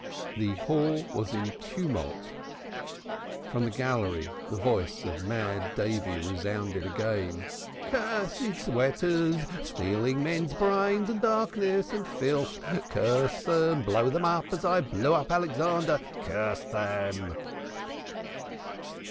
The hall was in tumult. From the gallery the voice of Mad Davy resounded again: "Cursed sweaters stealing men's brains darkness and filth curse them! Blow them up I as we blew up Alexander. Curse them!"